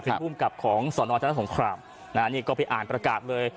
เป็นภูมิกับของสอนอจรสงครามนะฮะนี่ก็ไปอ่านประกาศเลย